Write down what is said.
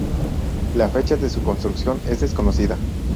La fecha de su construcción es desconocida.